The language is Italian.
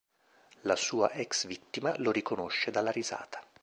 La sua ex vittima lo riconosce dalla risata.